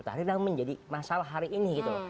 jadi ini memang menjadi masalah hari ini gitu